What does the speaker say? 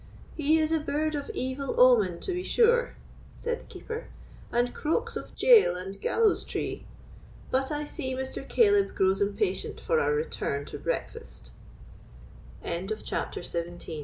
"He is a bird of evil omen, to be sure," said the Keeper, "and croaks of jail and gallows tree. But I see Mr. Caleb grows impatient for our return to breakfast." CHAPTER XVIII. Sir, stay at home and